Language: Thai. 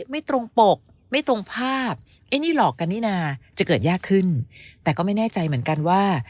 ไม่ตรงปกไม่ตรงภาพไอ้นี่หลอกกันนี่นาจะเกิดยากขึ้นแต่ก็ไม่แน่ใจเหมือนกันว่า